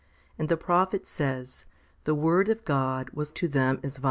2 ' And the prophet says, The word of God was to them as vomit.